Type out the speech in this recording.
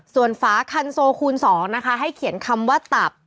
ส่วนฝาคันโซคูณ๒นะคะให้เขียนคำว่าตับ